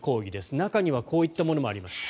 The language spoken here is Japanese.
中にはこういったものもありました。